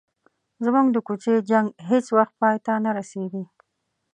زموږ د کوڅې جنګ هیڅ وخت پای ته نه رسيږي.